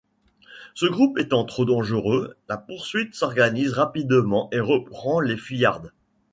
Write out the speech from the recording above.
Ce groupe étant trop dangereux, la poursuite s'organise rapidement et reprend les fuyardes.